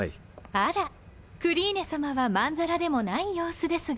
あらクリーネさまはまんざらでもない様子ですが。